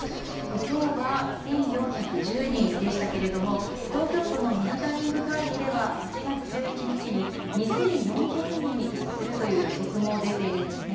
今日は１４１０人でしたが東京都のモニタリング会議では８月１１日に２４００人に達するという予測も出ているんですね。